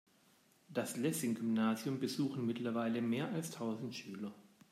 Das Lessing-Gymnasium besuchen mittlerweile mehr als tausend Schüler.